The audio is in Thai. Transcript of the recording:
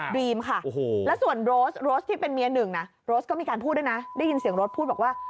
รีมค่ะแล้วส่วนโรสโรสที่เป็นเมียหนึ่งนะโรสก็มีการพูดด้วยนะได้ยินเสียงรถพูดบอกว่า